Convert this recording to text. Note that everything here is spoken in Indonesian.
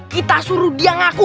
kita suruh dia ngaku